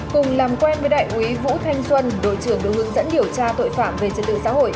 cùng làm quen với đại úy vũ thanh xuân đội trưởng đội hướng dẫn điều tra tội phạm về trật tự xã hội